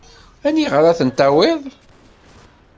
Aniɣer ad ten-tawiḍ?